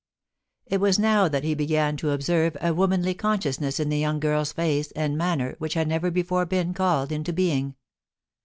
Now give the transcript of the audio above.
It was now that he began to observe a womanly consciousness in the young girl's face and manner which had never before been called into being.